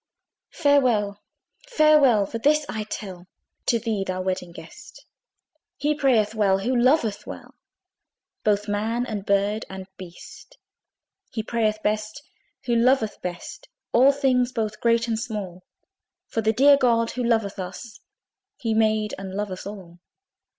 Farewell, farewell! but this I tell To thee, thou Wedding Guest! He prayeth well, who loveth well Both man and bird and beast. He prayeth best, who loveth best All things both great and small; For the dear God who loveth us He made and loveth all.